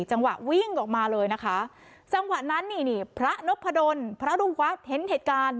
จังหวะวิ่งออกมาเลยนะคะจังหวะนั้นนี่นี่พระนพดลพระรุ่งวัดเห็นเหตุการณ์